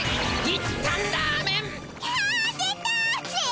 いったんラーメン！キャ！